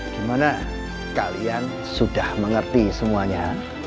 dimana kalian sudah mengerti semuanya